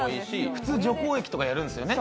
普通、除光液とかやるんですよね。